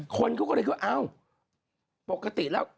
คนเขาก็เลยคิดว่าอ้าวปกติแล้ว